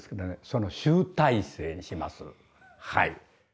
その集大成にします。